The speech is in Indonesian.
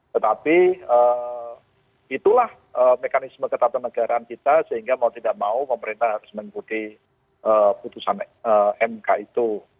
tetapi itulah mekanisme ketatanegaraan kita sehingga mau tidak mau pemerintah harus mengikuti putusan mk itu